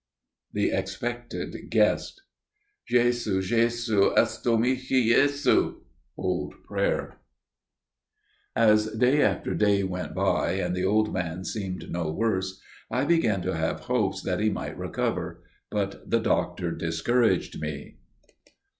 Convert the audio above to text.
The Expected Guest "Jhesu! Jhesu! Esto michi, Jhesu!" Old Prayer The Expected Guest AS day after day went by and the old man seemed no worse, I began to have hopes that he might recover, but the doctor discouraged me.